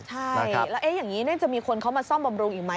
ใช่แล้วอย่างนี้จะมีคนเขามาซ่อมบำรุงอีกไหม